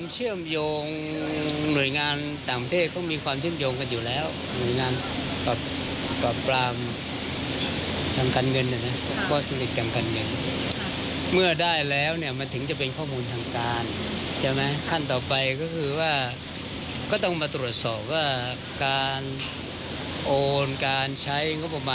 จะเปิดการใดใช่ไหม